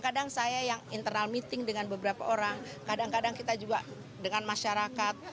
kadang saya yang internal meeting dengan beberapa orang kadang kadang kita juga dengan masyarakat